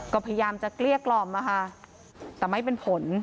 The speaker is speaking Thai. ก็พยายามจะเกลี้ยกล่อมนะคะแต่ไม่เป็นผล